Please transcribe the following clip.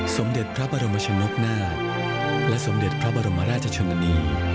สมเด็จพระบรมชนกนาฏและสมเด็จพระบรมราชชนนี